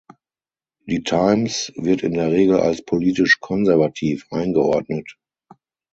Die "Times" wird in der Regel als politisch konservativ eingeordnet.